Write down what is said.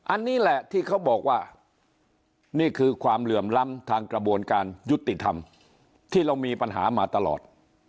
อันนี้แหละที่เขาบอกว่านี่คือความเหลื่อมล้ำทางกระบวนการยุติธรรมที่เรามีปัญหามาตลอด